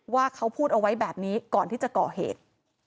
ว่าเขาพูดเอาไว้แบบนี้ก่อนที่จะก่อเหตุ